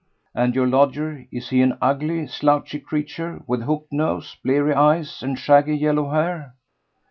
"And your lodger, is he an ugly, slouchy creature—with hooked nose, bleary eyes and shaggy yellow hair?"